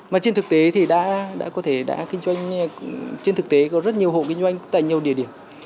mà trên thực tế có rất nhiều hộ kinh doanh tại nhiều địa điểm